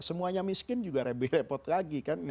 semuanya miskin juga lebih repot lagi kan